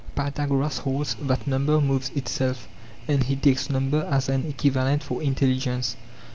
Pythagoras holds that number moves itself, and he takes number as an equivalent for intelligence.